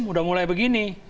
sudah mulai begini